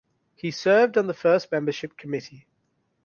He served on the first membership committee.